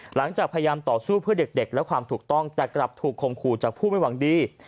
หลังจากพยายามต่อสู้เพื่อเด็กและความถูกต้องแต่กลับถูกคมขู่จากผู้ไม่หวังดี